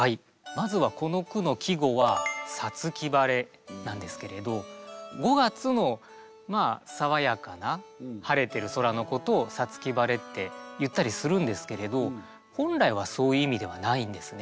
まずはこの句の季語は「五月晴れ」なんですけれど五月の爽やかな晴れている空のことを「五月晴れ」って言ったりするんですけれど本来はそういう意味ではないんですね。